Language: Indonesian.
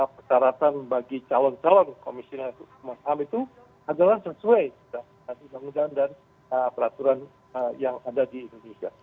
peseratan bagi calon calon komisioner komnas ham itu adalah sesuai dengan peraturan yang ada di indonesia